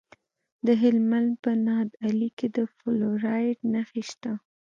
د هلمند په نادعلي کې د فلورایټ نښې شته.